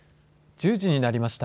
１０時になりました。